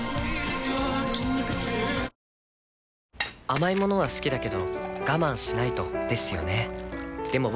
甘い物は好きだけど我慢しないとですよね